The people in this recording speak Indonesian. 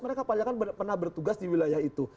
mereka kebanyakan pernah bertugas di wilayah itu